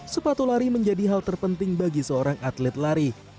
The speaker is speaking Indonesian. sepatu lari menjadi hal terpenting bagi seorang atlet lari